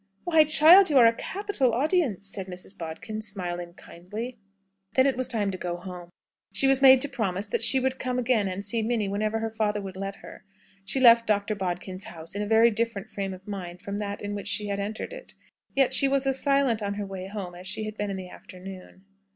"Why, child, you are a capital audience!" said Mrs. Bodkin, smiling kindly. Then it was time to go home. She was made to promise that she would come again and see Minnie whenever her father would let her. She left Dr. Bodkin's house in a very different frame of mind from that in which she had entered it. Yet she was as silent on her way home as she had been in the afternoon.